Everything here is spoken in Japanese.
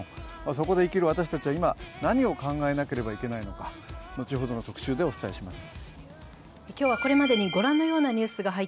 そこで生きる私たちは今、何を考えなければいけないのか後ほどの特集でお伝えします。